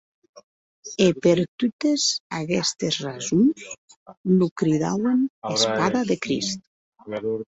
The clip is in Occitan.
E per totes aguestes rasons lo cridauen Espada de Crist.